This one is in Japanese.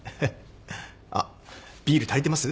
あっビール足りてます？